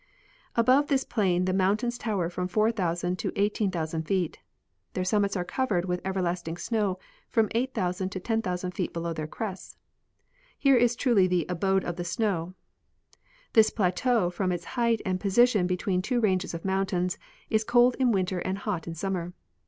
Above this plain the mountains tower from 4,000 to 18,000 feet. Their summits are covered with everlasting snow from 8,000 to 10,000 feet below their crests. Here is truly the " abode of the snow." This plateau, from its height and position be tween two ranges of mountains, is cold in winter and hot in summer.